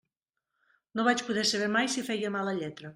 No vaig poder saber mai si feia mala lletra.